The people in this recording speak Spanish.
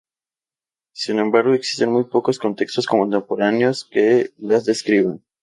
Sin embargo, existen muy pocos textos contemporáneos que las describan.